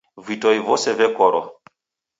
Vitoi vose vekorwa.